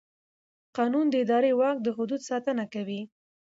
قانون د اداري واک د حدودو ساتنه کوي.